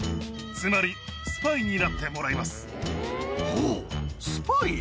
つまり、スパイになってもらいまほお、スパイ？